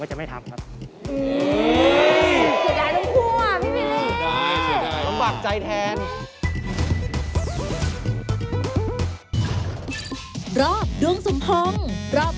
จะเจ็บขวดขนาดไหนแล้วผมก็จะไม่ทำครับ